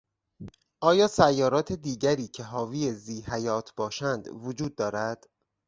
آیا سیارات دیگری که حاوی ذی حیات باشند وجود دارد؟